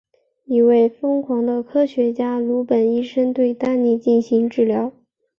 一位疯狂的科学家鲁本医生对丹尼进行治疗。